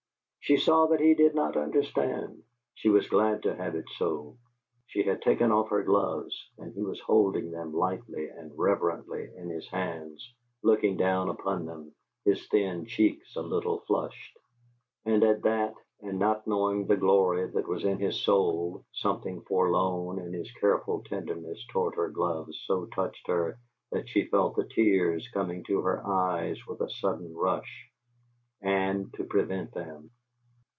She saw that he did not understand; she was glad to have it so. She had taken off her gloves, and he was holding them lightly and reverently in his hands, looking down upon them, his thin cheeks a little flushed. And at that, and not knowing the glory that was in his soul, something forlorn in his careful tenderness toward her gloves so touched her that she felt the tears coming to her eyes with a sudden rush. And to prevent them.